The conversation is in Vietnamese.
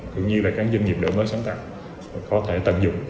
cũng như các doanh nghiệp mới sáng tắt có thể tận dụng